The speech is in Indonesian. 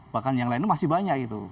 bahkan yang lainnya masih banyak gitu